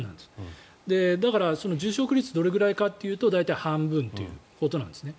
だから重症化率どれくらいかというと大体半分ってことなんですね。